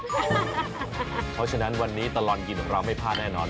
เพราะฉะนั้นวันนี้ตลอดกินของเราไม่พลาดแน่นอน